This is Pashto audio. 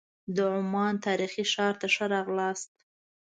د عمان تاریخي ښار ته ښه راغلاست.